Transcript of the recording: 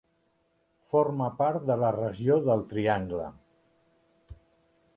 Forma part de la regió del Triangle.